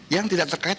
yang tidak terkait